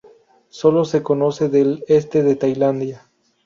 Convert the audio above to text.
Solo se conoce del este de Tailandia.